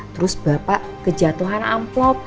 terus bapak kejatuhan amplop